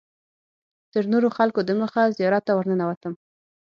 تر نورو خلکو دمخه زیارت ته ورننوتم.